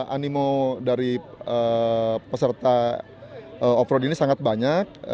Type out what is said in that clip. animo dari peserta offroad ini sangat banyak